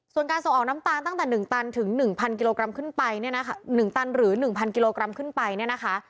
ส่วนการส่งออกน้ำตาลตั้งแต่หนึ่งตันถึงหนึ่งพันกิโลกรัมขึ้นไปเนี่ยนะคะหนึ่งตันหรือหนึ่งพันกิโลกรัมขึ้นไปเนี่ยนะคะ